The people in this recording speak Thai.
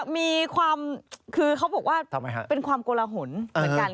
มีความคือเขาบอกว่าเป็นความโกลหนเหมือนกัน